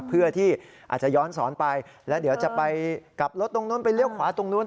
เพื่อที่อาจจะย้อนสอนไปแล้วเดี๋ยวจะไปกลับรถตรงนู้นไปเลี้ยวขวาตรงนู้น